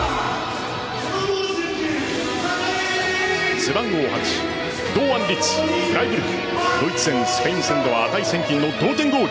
背番号８・堂安律フライブルクドイツ戦、スペイン戦で値千金の同点ゴール。